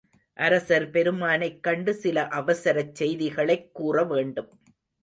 அரசர் பெருமானைக் கண்டு சில அவசரச் செய்திகளைக் கூறவேண்டும்.